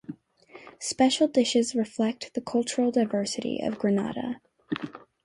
Special dishes reflect the cultural diversity of Grenada.